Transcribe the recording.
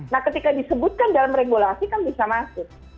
nah ketika disebutkan dalam regulasi kan bisa masuk